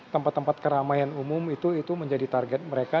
tempat tempat keramaian umum itu menjadi target mereka